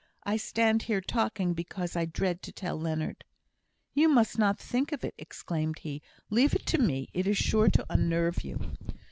I stand here talking because I dread to tell Leonard." "You must not think of it," exclaimed he. "Leave it to me. It is sure to unnerve you."